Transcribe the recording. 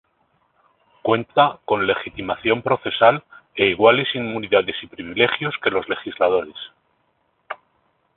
Cuenta con legitimación procesal e iguales inmunidades y privilegios que los legisladores.